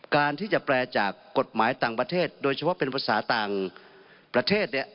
การที่จะแปลจากกฎหมายต่างประเทศโดยเฉพาะเป็นภาษาต่างประเทศเนี่ย